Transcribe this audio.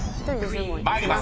［参ります。